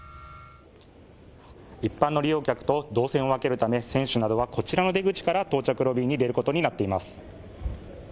一般の利用客と動線を分けるため、選手などはこちらの出口から到着ロビーに出ることになっています。